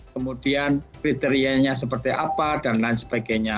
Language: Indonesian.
kemudian kriterianya seperti apa dan lain sebagainya